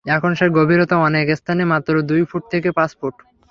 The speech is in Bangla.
এখন সেই গভীরতা অনেক স্থানে মাত্র দুই ফুট থেকে পাঁচ ফুট।